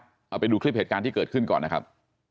เอาไปดูคลิปเหตุการณ์ที่เกิดขึ้นก่อนนะครับ